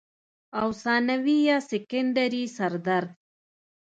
او ثانوي يا سيکنډري سردرد